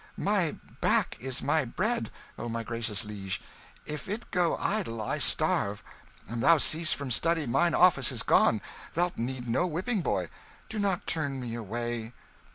"My back is my bread, O my gracious liege! if it go idle, I starve. An' thou cease from study mine office is gone thou'lt need no whipping boy. Do not turn me away!"